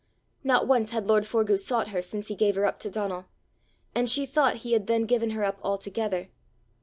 Not once had lord Forgue sought her since he gave her up to Donal, and she thought he had then given her up altogether.